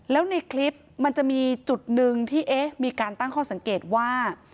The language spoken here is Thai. แล้วในคลิปมันจะมีจุดหนึ่งที่เอ๊ะมีการตั้งข้อสังเกตว่า